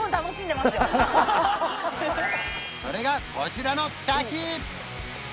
それがこちらの滝！